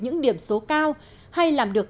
những điểm số cao hay làm được